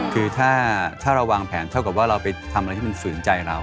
คือถ้าเราวางแผนเท่ากับว่าเราไปทำอะไรที่มันฝืนใจเรา